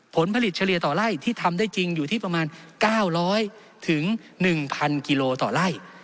ผลผลิตเฉลี่ยต่อไล่ที่ทำได้จริงอยู่ที่ประมาณ๙๐๐๑๐๐กิโลต่อไล่